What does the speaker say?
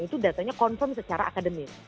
itu datanya confirm secara akademik